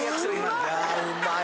あうまい！